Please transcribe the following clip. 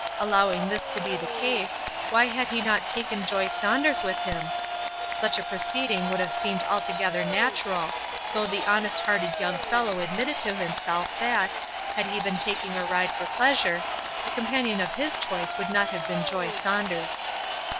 Allowing this to be the case, why had he not taken Joy Saunders with him? Such a proceeding would have seemed altogether natural, though the honest hearted young fellow admitted to himself that, had he been taking a ride for pleasure, the companion of his choice would not have been Joy Saunders.